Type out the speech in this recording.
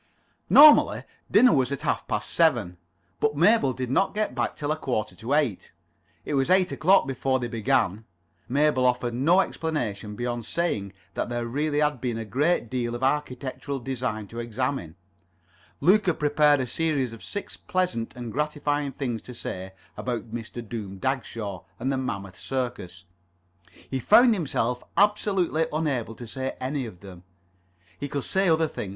Normally dinner was at half past seven. But Mabel did not get back till a quarter to eight. It was eight o'clock before they began. Mabel offered no explanation beyond saying that there really had been a great deal of architectural detail to examine. Luke had prepared a series of six pleasant and gratifying things to say about Mr. Doom Dagshaw and the Mammoth Circus. He found himself absolutely unable to say any [Pg 30]of them. He could say other things.